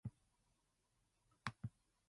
Bloodgood decided to surrender.